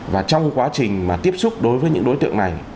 và trong quá trình mà tiếp xúc đối với những đối tượng này